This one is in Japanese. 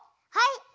はい。